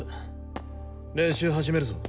練習始めるぞ。